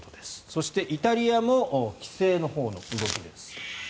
そして、イタリアも規制のほうの動きです。